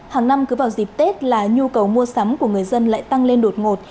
hàng năm cứ vào dịp tết là nhu cầu mua sắm của người dân lại tăng lên đột ngột